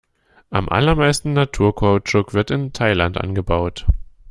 Am allermeisten Naturkautschuk wird in Thailand angebaut.